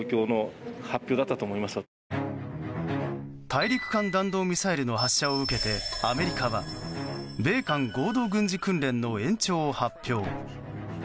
大陸間弾道ミサイルの発射を受けて、アメリカは米韓合同軍事訓練の延長を発表。